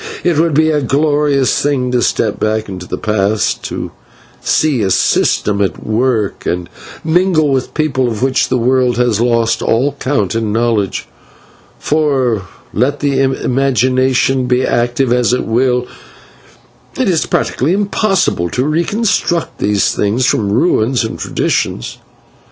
It would be a glorious thing to step back into the past, to see a system at work, and mingle with a people of which the world has lost all count and knowledge; for, let the imagination be active as it will, it is practically impossible to reconstruct these things from ruins and traditions.